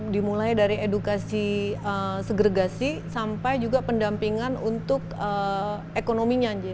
dimulai dari edukasi segregasi sampai juga pendampingan untuk ekonominya